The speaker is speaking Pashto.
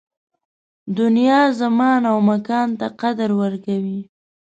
دنیا زمان او مکان ته قدر ورکوي